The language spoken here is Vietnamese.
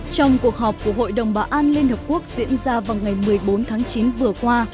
trong cuộc họp của hội đồng bảo an liên hợp quốc diễn ra vào ngày một mươi bốn tháng chín vừa qua